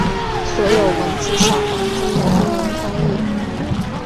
所有文字下方均有英文翻译。